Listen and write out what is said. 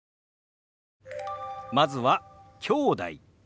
まずは「きょうだい」。